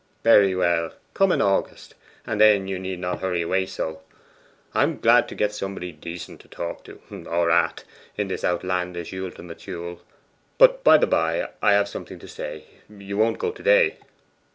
'Very well; come in August; and then you need not hurry away so. I am glad to get somebody decent to talk to, or at, in this outlandish ultima Thule. But, by the bye, I have something to say you won't go to day?